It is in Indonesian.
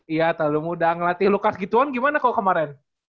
iya terlalu mudah ngelatih lukas gituan gimana kok kemarin